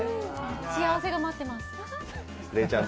幸せが待ってます。